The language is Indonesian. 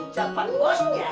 jangan panik bosnya